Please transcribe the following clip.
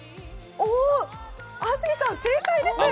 安住さん正解です！